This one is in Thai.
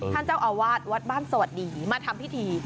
ท่านเจ้าอาวาสวัดบ้านสวัสดีมาทำพิธี